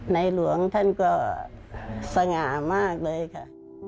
หลวงท่านก็สง่ามากเลยค่ะ